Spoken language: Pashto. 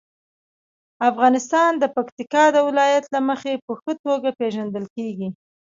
افغانستان د پکتیکا د ولایت له مخې په ښه توګه پېژندل کېږي.